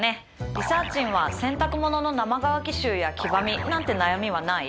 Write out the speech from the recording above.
リサーちんは洗濯物の生乾き臭や黄ばみなんて悩みはない？